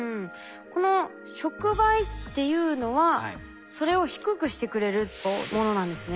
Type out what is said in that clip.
この触媒っていうのはそれを低くしてくれるものなんですね。